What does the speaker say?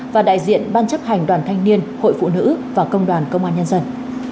và đại diện ban chấp hành đoàn thanh niên hội phụ nữ và công đoàn công an nhân dân